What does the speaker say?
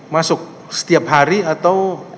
masuk setiap hari atau